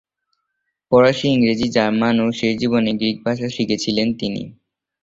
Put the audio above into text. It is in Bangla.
ফরাসি, ইংরেজি, জার্মান ও শেষ জীবনে গ্রীক ভাষা শিখেছিলেন তিনি।